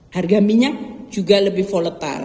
harga minyak juga lebih volatile